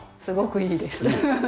すごくいいです。